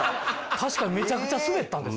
確かにめちゃくちゃスベったんです